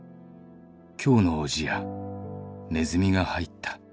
「今日のおじやネズミが入った」